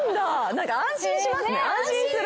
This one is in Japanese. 何か安心しますね安心する。